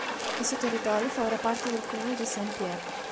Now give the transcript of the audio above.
Il suo territorio fa ora parte del comune di Saint-Pierre.